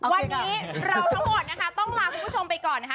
วันนี้เราทั้งหมดนะคะต้องลาคุณผู้ชมไปก่อนนะคะ